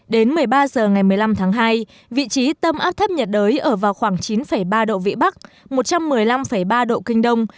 đến một mươi ba h ngày một mươi năm tháng hai vị trí tâm áp thấp nhiệt đới ở vào khoảng chín ba độ vĩ bắc một trăm một mươi năm ba độ kinh đông